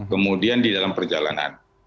kemudian di dalam perjalanan